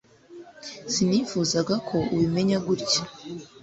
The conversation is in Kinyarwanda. sinifuzaga ko ubimenya gutya